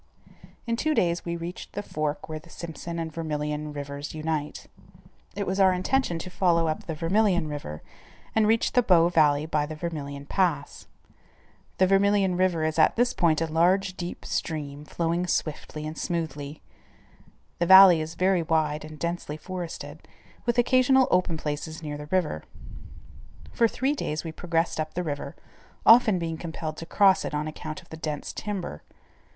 In two days we reached the fork where the Simpson and Vermilion rivers unite. It was our intention to follow up the Vermilion River and reach the Bow valley by the Vermilion Pass. The Vermilion River is at this point a large, deep stream flowing swiftly and smoothly. The valley is very wide and densely forested, with occasional open places near the river. For three days we progressed up the river, often being compelled to cross it on account of the dense timber.